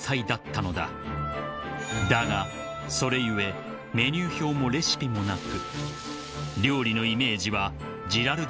［だがそれ故メニュー表もレシピもなく］